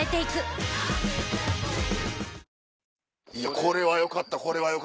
これはよかった！